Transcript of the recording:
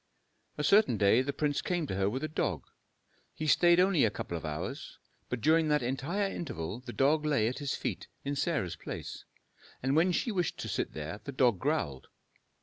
A certain day the prince came to her with a dog. He stayed only a couple of hours; but during that entire interval the dog lay at his feet in Sarah's place, and when she wished to sit there the dog growled.